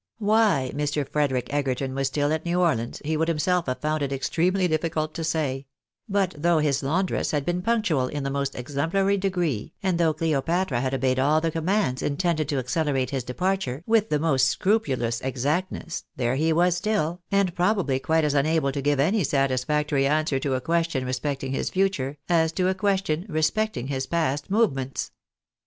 TF/i ;/ Mr. Frederic Egerton was still at New Orleans, he would himself have found it extremely difficult to say ; but though his laundress had been punctual in the most exemplary degree, and though Cleopatra had obeyed all the commands intended to accelerate his departure, with the most scru pulous exactness, there he was still, and probably quite as unable to give any satisfactory answer to a question respecting his future, as to a question respecting his past movements.